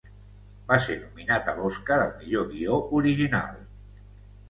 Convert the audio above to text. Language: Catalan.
Va ser nominat a l'Oscar al millor guió original.